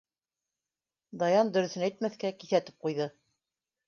Даян дөрөҫөн әйтмәҫкә киҫәтеп ҡуйҙы.